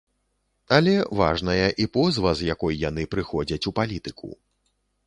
Але важная і позва, з якой яны прыходзяць у палітыку.